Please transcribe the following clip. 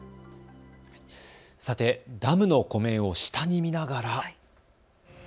さて、ダムの湖面を下に見ながら。